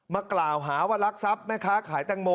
มากล่าวหาว่ารักทรัพย์แม่ค้าขายแตงโม